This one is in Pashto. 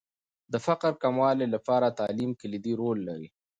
د فقر د کموالي لپاره تعلیم کلیدي رول لري.